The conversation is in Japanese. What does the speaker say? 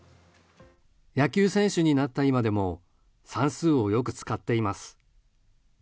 野球選手になった今でも算数をよく使っています。